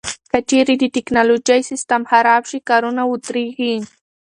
که چیرې د ټکنالوژۍ سیستم خراب شي، کارونه ودریږي.